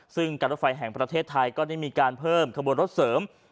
ซึ่งการรถไฟแห่งประเทศไทยก็ได้มีการเพิ่มขบวนรถเสริม